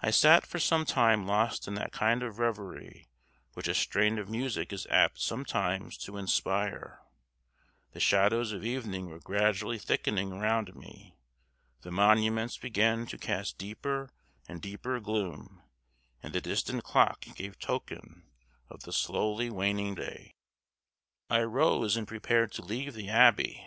I sat for some time lost in that kind of reverie which a strain of music is apt sometimes to inspire: the shadows of evening were gradually thickening round me; the monuments began to cast deeper and deeper gloom; and the distant clock again gave token of the slowly waning day. I rose and prepared to leave the abbey.